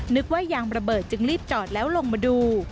นึกว่ายางระเบิดจึงรีบจอดแล้วลงมาดู